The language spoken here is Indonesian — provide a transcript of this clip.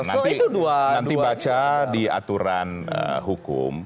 nanti baca di aturan hukum